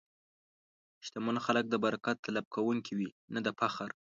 شتمن خلک د برکت طلب کوونکي وي، نه د فخر.